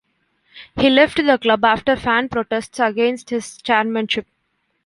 He left the club after fan protests against his chairmanship.